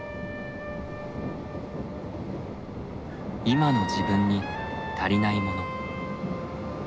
今の自分に足りないもの。